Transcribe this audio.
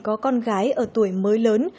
có con gái ở tuổi mới lớn